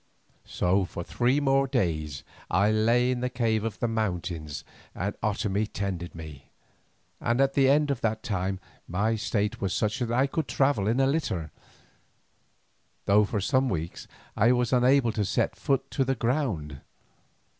So for three more days I lay in the cave of the mountains and Otomie tended me, and at the end of that time my state was such that I could travel in a litter, though for some weeks I was unable to set foot to the ground.